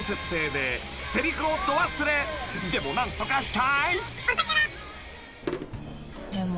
［でも何とかしたい］